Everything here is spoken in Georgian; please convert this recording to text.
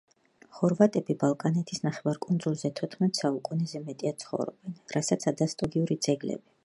ხორვატები ბალკანეთის ნახევარკუნძულზე თოთხმეტ საუკუნეზე მეტია ცხოვრობენ, რასაც ადასტურებს მნიშვნელოვანი არქეოლოგიური ძეგლები.